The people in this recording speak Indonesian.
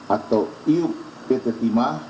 atau iup pt timah